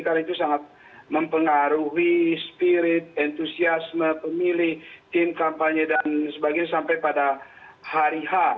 karena itu sangat mempengaruhi spirit entusiasme pemilih tim kampanye dan sebagainya sampai pada hari hari